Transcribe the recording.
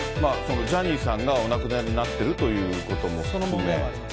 ジャニーさんがお亡くなりになってるということも。